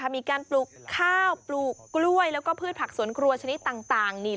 ปลูกข้าวปลูกกล้วยแล้วก็พืชผักสวนครัวชนิดต่าง